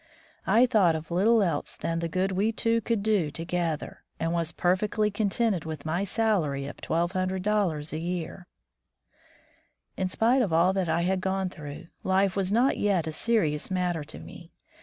I thought of little else than the good we two could do together, and was perfectly contented with my salary of twelve hundred dollars a year. 124 War vnth the Politicians In spite of all that I had gone through, life was not yet a serious matter to me.